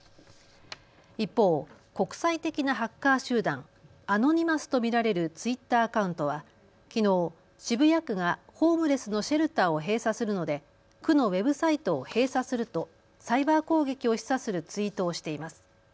一方、国際的なハッカー集団、アノニマスと見られるツイッターアカウントはきのう渋谷区がホームレスのシェルターを閉鎖するので区のウェブサイトを閉鎖するとサイバー攻撃を示唆するツイートをしています。